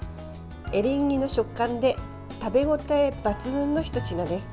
エリンギの食感で食べ応え抜群のひと品です。